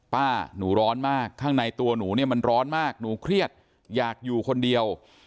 ป้าหนูร้อนมากข้างในตัวหนูเนี่ยมันร้อนมากหนูเครียดอยากอยู่คนเดียว